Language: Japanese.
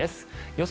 予想